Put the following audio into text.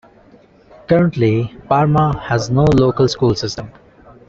Currently, Parma has no local school system.